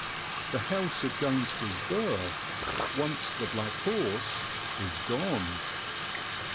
The house of Gainsborough's birth, once the "Black Horse," is gone.